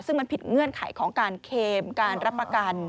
ซึ่งมันผิดเงื่อนไขของการเคมการรับประกัน